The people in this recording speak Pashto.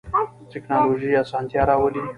تکنالوژی اسانتیا راولی